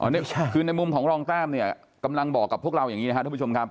นี่คือในมุมของรองแต้มเนี่ยกำลังบอกกับพวกเราอย่างนี้นะครับท่านผู้ชมครับ